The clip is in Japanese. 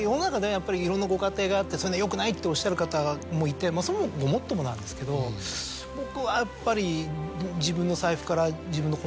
やっぱりいろんなご家庭があってそういうのはよくないとおっしゃる方もいてそれもごもっともなんですけど僕はやっぱり。